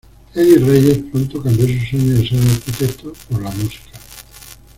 Eddie Reyes pronto cambió su sueño de ser arquitecto por la música.